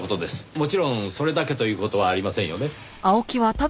もちろんそれだけという事はありませんよね。